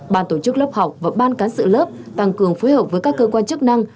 ban tổ chức lớp học và ban cán sự lớp tăng cường phối hợp với các cơ quan chức năng